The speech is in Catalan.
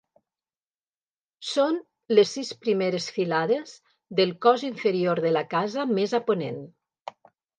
Són les sis primeres filades del cos inferior de la casa més a ponent.